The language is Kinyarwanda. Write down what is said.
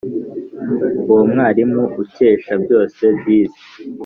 uwo mwalimu ukesha byose disi